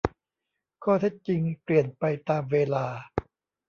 ข้อเท็จจริงเปลี่ยนไปตามเวลา